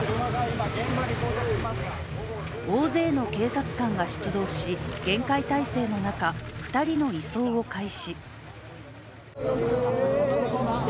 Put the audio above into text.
大勢の警察官が出動し厳戒態勢の中、２人の移送を開始。